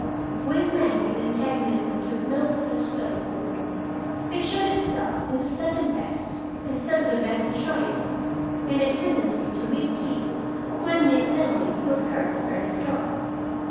With Maggie the antagonism took no such subtle form. It showed itself in the second best instead of the best china, and a tendency to weak tea, when Miss Emily took hers very strong.